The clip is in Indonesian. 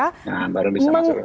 nah baru bisa mas burhanuddin